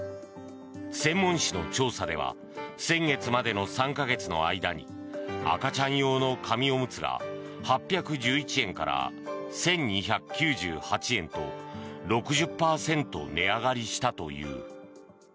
専門誌の調査では先月までの３か月の間に赤ちゃん用の紙おむつが８１１円から１２９８円と６０％値上がりしたという。